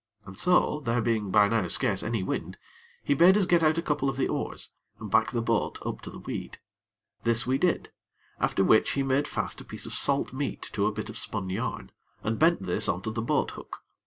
And so, there being by now scarce any wind, he bade us get out a couple of the oars, and back the boat up to the weed. This we did, after which he made fast a piece of salt meat to a bit of spun yarn, and bent this on to the boat hook.